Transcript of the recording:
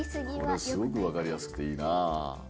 これすごくわかりやすくていいなあ。